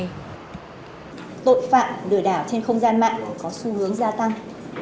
hiện nay tội phạm lừa đảo trên không gian mạng có xu hướng gia tăng